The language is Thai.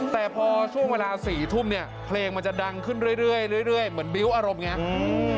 แต่พอช่วงเวลาสี่ทุ่มเนี่ยเคลงมันจะดังขึ้นเรื่อยเหมือนบิ๊วโอารมอย่างเงี้ย